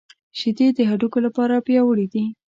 شیدې د هډوکو لپاره پياوړې دي